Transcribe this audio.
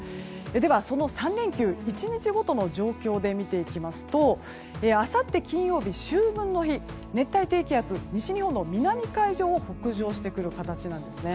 では、その３連休１日ごとの状況で見ていきますとあさって金曜日、秋分の日熱帯低気圧西日本の南海上を北上してくる形なんです。